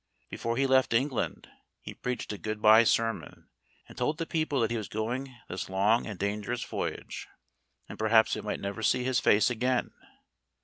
Before he left England he preached a good bye sermon, and told the people that he was going this long and dangerous voyage, and perhaps they might never see his face again.